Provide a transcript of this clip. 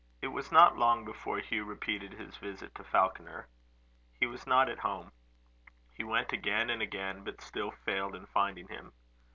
It was not long before Hugh repeated his visit to Falconer. He was not at home. He went again and again, but still failed in finding him.